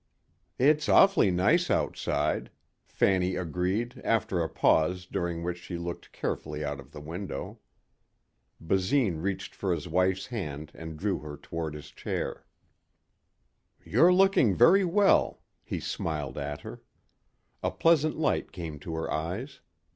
"It's awfully nice outside," Fanny agreed after a pause during which she looked carefully out of the window. Basine reached for his wife's hand and drew her toward his chair. "You're looking very well," he smiled at her. A pleasant light came to her eyes.